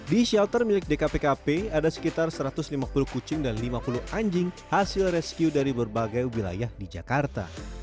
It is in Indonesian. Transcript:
di shelter milik dkpkp ada sekitar satu ratus lima puluh kucing dan lima puluh anjing hasil rescue dari berbagai wilayah di jakarta